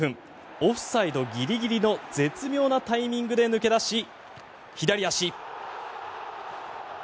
オフサイドギリギリの絶妙なタイミングで抜け出し左足。